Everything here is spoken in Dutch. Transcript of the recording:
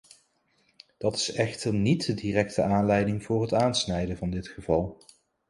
Dat is echter niet de directe aanleiding voor het aansnijden van dit geval.